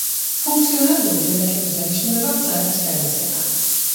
ფუნქციონალური ღილაკების დანიშნულებაა ბრძანების გადაცემა.